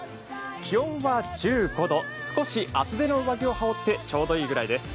気温は１５度、少し厚手の上着を羽織ってちょうどいいぐらいです。